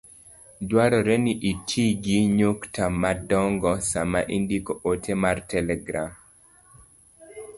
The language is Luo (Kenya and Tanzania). Dwarore ni iti gi nyukta madongo sama indiko ote mar telegram.